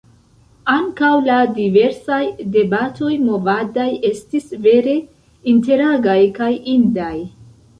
Ankaŭ la diversaj debatoj movadaj estis vere interagaj kaj indaj.